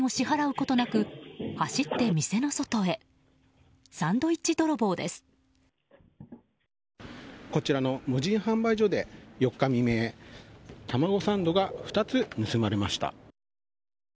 こちらの無人販売所で４日未明タマゴサンドが２つ盗まれました。